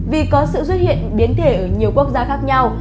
vì có sự xuất hiện biến thể ở nhiều quốc gia khác nhau